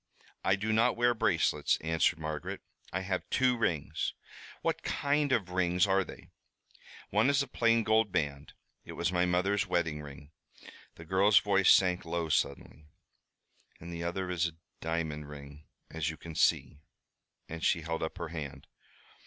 "I do not wear bracelets," answered Margaret. "I have two rings." "What kind of rings are they?" "One is a plain gold band. It was my mother's wedding ring." The girl's voice sank low suddenly. "The other is a diamond ring, as you can see," and she held up her hand.